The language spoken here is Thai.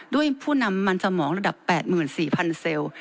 ผู้นำมันสมองระดับ๘๔๐๐เซลล์